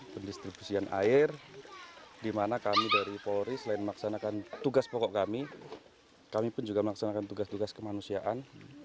pendistribusian air di mana kami dari polri selain melaksanakan tugas pokok kami kami pun juga melaksanakan tugas tugas kemanusiaan